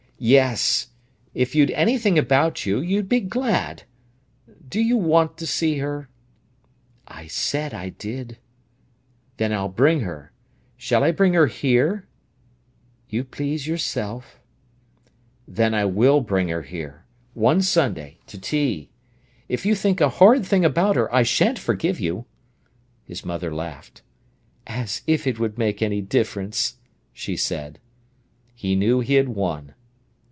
—yes!—if you'd anything about you, you'd be glad! Do you want to see her?" "I said I did." "Then I'll bring her—shall I bring her here?" "You please yourself." "Then I will bring her here—one Sunday—to tea. If you think a horrid thing about her, I shan't forgive you." His mother laughed. "As if it would make any difference!" she said. He knew he had won.